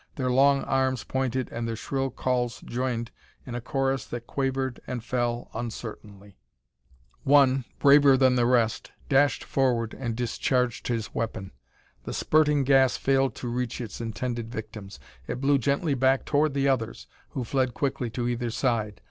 Their long arms pointed and their shrill calls joined in a chorus that quavered and fell uncertainly. One, braver than the rest, dashed forward and discharged his weapon. The spurting gas failed to reach its intended victims; it blew gently back toward the others who fled quickly to either side.